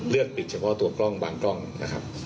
ปิดเฉพาะตัวกล้องบางกล้องนะครับ